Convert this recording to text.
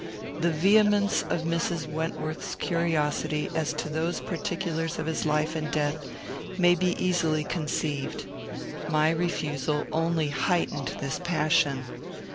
The vehemence of Mrs. Wentworth's curiosity as to those particulars of his life and death may be easily conceived. My refusal only heightened this passion.